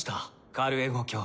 カルエゴ卿。